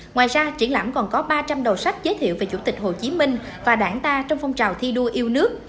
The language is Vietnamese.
ngoài ra triển lãm còn có ba trăm linh đầu sách giới thiệu về chủ tịch hồ chí minh và đảng ta trong phong trào thi đua yêu nước